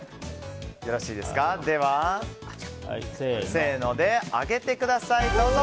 せーので上げてください。